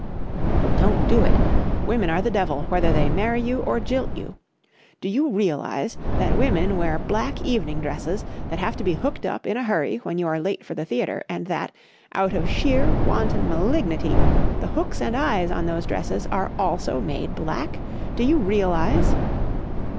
"Don't do it. Women are the devil, whether they marry you or jilt you. Do you realise that women wear black evening dresses that have to be hooked up in a hurry when you are late for the theatre, and that, out of sheer wanton malignity, the hooks and eyes on those dresses are also made black? Do you realise...?"